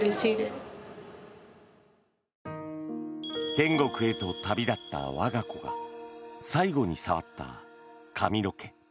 天国へと旅立った我が子が最後に触った髪の毛。